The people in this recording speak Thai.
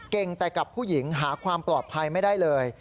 แต่กับผู้หญิงหาความปลอดภัยไม่ได้เลย